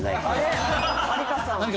有田さん。